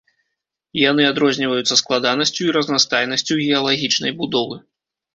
Яны адрозніваюцца складанасцю і разнастайнасцю геалагічнай будовы.